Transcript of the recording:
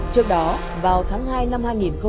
trước đó vào tháng hai năm hai nghìn